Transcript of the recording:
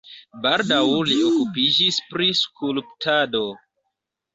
Baldaŭ li okupiĝis pri skulptado.